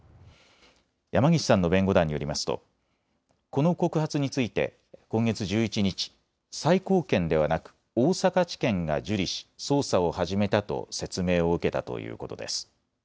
山岸さんの弁護団によりますとこの告発について今月１１日最高検ではなく大阪地検が受理し捜査を始めたと説明を受けたということです。